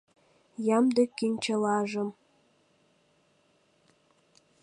Ямде кӱнчылажым